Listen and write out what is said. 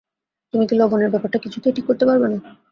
তুমি কি লবণের ব্যাপারটা কিছুতেই ঠিক করতে পারবে না?